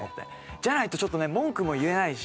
じゃないとちょっとね文句も言えないし。